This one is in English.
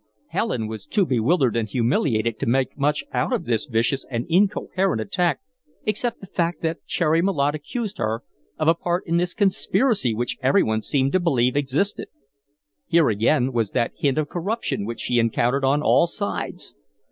Helen was too bewildered and humiliated to make much out of this vicious and incoherent attack except the fact that Cherry Malotte accused her of a part in this conspiracy which every one seemed to believe existed. Here again was that hint of corruption which she encountered on all sides.